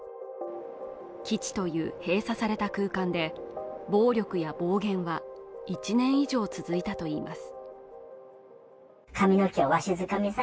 基地という閉鎖された空間で暴力や暴言は１年以上続いたといいます。